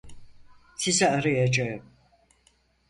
Sizi arayacağım.